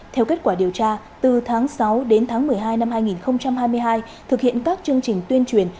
theo kết quả điều tra từ tháng sáu đến tháng một mươi hai năm hai nghìn hai mươi hai thực hiện các chương trình tuyên truyền